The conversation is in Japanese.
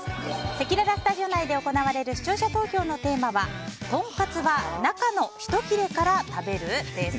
せきららスタジオ内で行われる視聴者投票のテーマはとんかつは中の一切れから食べる？です。